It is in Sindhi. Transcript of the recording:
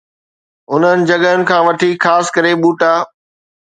انهن جڳهن کان وٺي خاص ڪري ٻوٽا